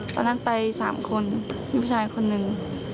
ตอนนั้นไป๓คนผู้ชายคนหนึ่ง